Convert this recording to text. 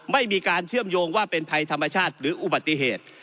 ไม่มีการเชื่อมโยงว่าเป็นภัยธรรมชาติหรืออุบัติเหตุ